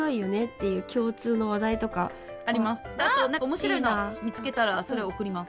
面白いの見つけたらそれ送ります。